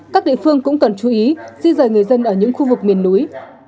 các địa phương cũng cần chú ý di rời người dân ở những khu vực miền núi